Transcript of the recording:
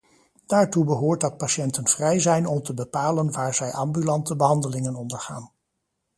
Daartoe behoort dat patiënten vrij zijn om te bepalen waar zij ambulante behandelingen ondergaan.